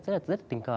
rất là tình cờ